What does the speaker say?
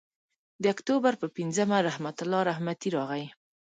د اکتوبر پر پینځمه رحمت الله رحمتي راغی.